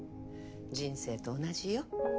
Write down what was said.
人生と同じよ。